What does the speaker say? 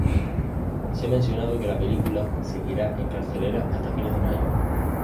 Se ha mencionado que la película seguirá en cartelera hasta fines de mayo.